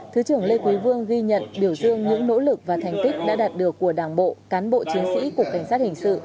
thứ trưởng lê quý vương ghi nhận biểu dương những nỗ lực và thành tích đã đạt được của đảng bộ cán bộ chiến sĩ cục cảnh sát hình sự